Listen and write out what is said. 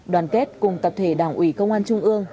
đoàn kết cùng tập thể đảng ủy công an trung ương